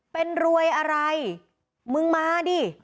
เป็นรวยอะไรมึงมาดิ